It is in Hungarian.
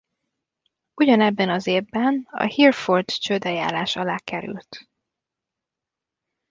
Ugyanebben az évben a Hereford csődeljárás alá került.